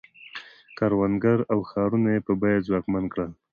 کروندګر او ښارونه یې په بیه ځواکمن کړل.